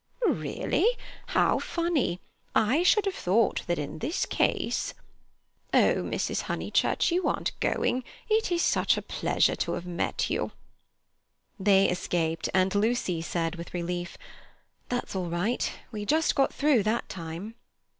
"Really? How funny! I should have thought that in this case—" "Oh, Mrs. Honeychurch, you aren't going? It is such a pleasure to have met you!" They escaped, and Lucy said with relief: "That's all right. We just got through that time."